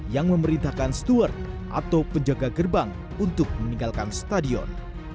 yang memerintahkan steward atau penjaga gerbang untuk meninggalkan stadion